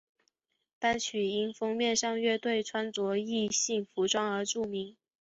单曲因封面上乐队穿着异性服装而著名。